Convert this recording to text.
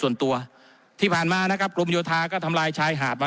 ส่วนตัวที่ผ่านมานะครับกรมโยธาก็ทำลายชายหาดมา